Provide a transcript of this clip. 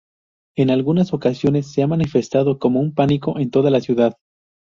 En algunas ocasiones, se ha manifestado como un pánico en toda la ciudad.